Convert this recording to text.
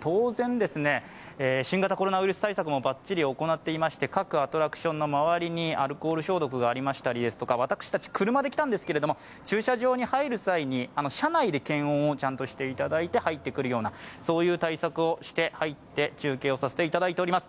当然、新型コロナウイルス対策もバッチリ行っていまして、各アトラクションの周りにアルコール消毒がありましたり私たち車で来たんですけれども、駐車場に入る際に車内で検温をちゃんとしていただいて入ってくるような対策をして中継をさせていただいています。